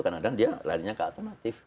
karena kadang kadang dia larinya ke alternatif